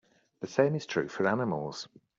The same is true for animals.